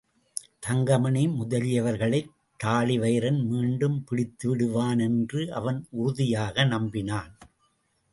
தங்கமணி முதலியவர்களைத் தாழிவயிறன் மீண்டும் பிடித்துவிடுவான் என்று அவன் உறுதியாக நம்பினான்.